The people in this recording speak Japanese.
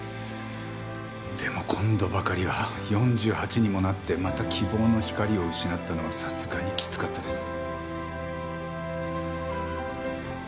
でも今度ばかりは４８にもなってまた希望の光を失ったのはさすがにきつかったです。